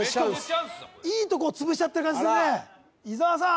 いいとこ潰しちゃってる感じするね伊沢さん